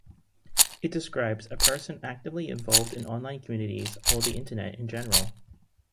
It describes a person actively involved in online communities or the Internet in general.